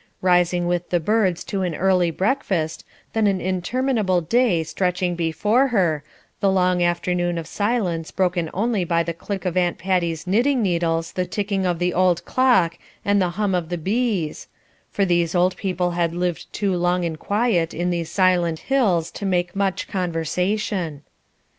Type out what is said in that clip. rising with the birds to an early breakfast, then an interminable day stretching before her, the long afternoon of silence broken only by the click of Aunt Patty's knitting needles, the ticking of the old clock, and the hum of the bees; for these old people had lived too long in quiet on these silent hills to make much conversation.